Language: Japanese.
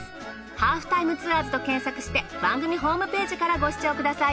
『ハーフタイムツアーズ』と検索して番組ホームページからご視聴ください。